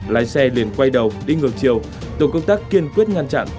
lái xe liền quay đầu đi ngược chiều tổ công tác kiên quyết ngăn chặn